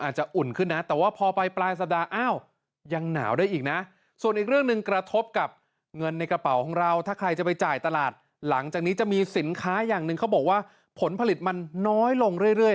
หลังจากนี้จะมีสินค้าอย่างนึงเขาบอกว่าผลผลิตมันน้อยลงเรื่อย